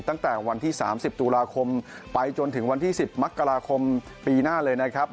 ตั้งแต่วันที่๓๐ตุลาคมไปจนถึงวันที่๑๐มกราคมปีหน้าเลยนะครับ